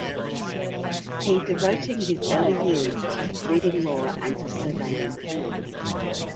He devoting his early years to reading law and to surveying.